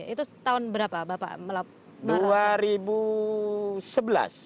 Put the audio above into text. itu tahun berapa bapak